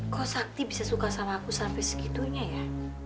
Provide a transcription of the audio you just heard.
kok sakti bisa suka sama aku sampai segitunya ya